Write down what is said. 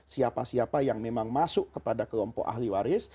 siapa siapa yang memang masuk kepada kelompok ahli waris